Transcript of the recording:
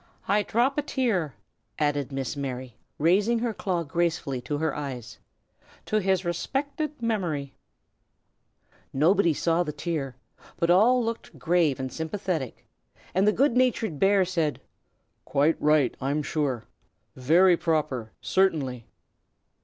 I drop a tear," added Miss Mary, raising her claw gracefully to her eyes, "to his respected memory." Nobody saw the tear, but all looked grave and sympathetic, and the good natured bear said, "Quite right, I'm sure. Very proper, certainly!"